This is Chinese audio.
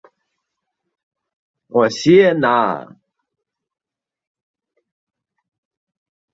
纹胸短沟红萤为红萤科短沟红萤属下的一个种。